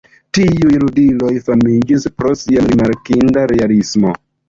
Tiuj ludiloj famiĝis pro sia rimarkinda realismo.